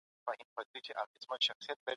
او نن هغه ستونزه د تل لپاره حل ده.